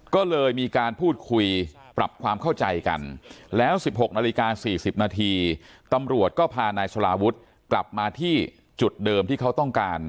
ก็เลยมีการพูดคุยปรับความเข้าใจกันแล้ว๑๖นาฬิกา๔๐นาทีตำรวจก็พานายสลาวุฒิกลับมาที่จุดเดิมที่เขาต้องการ